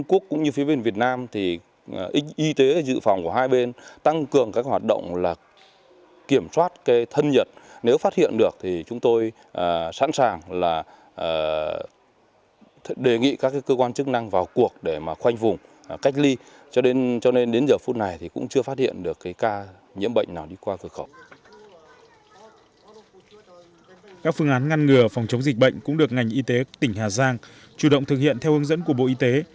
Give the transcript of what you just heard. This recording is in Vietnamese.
các phương án ngăn ngừa phòng chống dịch bệnh cũng được ngành y tế tỉnh hà giang chủ động thực hiện theo hướng dẫn của bộ y tế